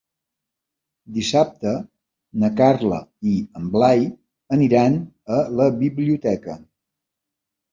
Dissabte na Carla i en Blai aniran a la biblioteca.